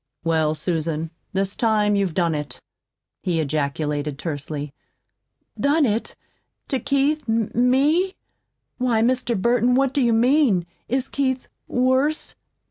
"Well, Susan, this time you've done it," he ejaculated tersely. "Done it to Keith ME? Why, Mr. Burton, what do you mean? Is Keith worse?"